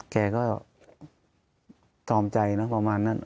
แกก็ตอมใจนะประมาณนั้น